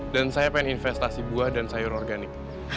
dan saya pengen investasi buah dan sayur organik